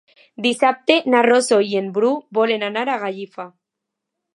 Dissabte na Rosó i en Bru volen anar a Gallifa.